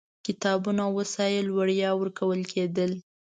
کتابونه او وسایل وړیا ورکول کېدل.